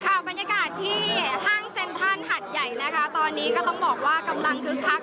บรรยากาศที่ห้างเซ็นทรัลหัดใหญ่นะคะตอนนี้ก็ต้องบอกว่ากำลังคึกคัก